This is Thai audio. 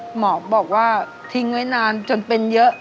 หมอบอกว่าทิ้งไว้นานจนเป็นเยอะ